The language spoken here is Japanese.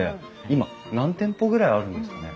今何店舗ぐらいあるんですかね？